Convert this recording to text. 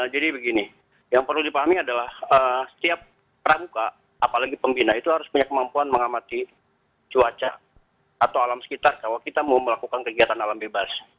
begini yang perlu dipahami adalah setiap pramuka apalagi pembina itu harus punya kemampuan mengamati cuaca atau alam sekitar kalau kita mau melakukan kegiatan alam bebas